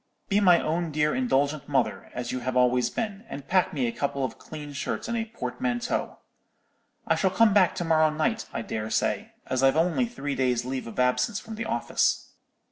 Be my own dear indulgent mother, as you have always been, and pack me a couple of clean shirts in a portmanteau. I shall come back to morrow night, I dare say, as I've only three days' leave of absence from the office.'